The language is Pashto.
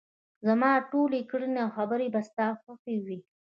زما ټولې کړنې او خبرې به ستا خوښې وي.